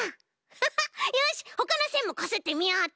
ハハッ！よしほかのせんもこすってみようっと！